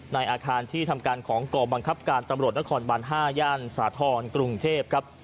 ในอาคารที่ทำการของกองบังคับการตำรวจนครบัน๕ย่านสาธรณ์กรุงเทพครับ